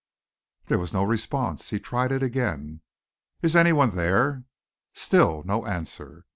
There was no response. He tried again. "Is any one there?" Still no answer.